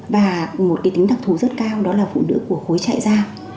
và một tính đặc thù rất cao đó là phụ nữ của khối trại giam